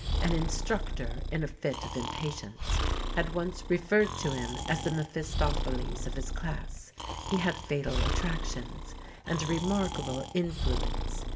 An instructor, in a fit of impatience, had once referred to him as the Mephistopheles of his class; he had fatal attractions, and a remarkable influence.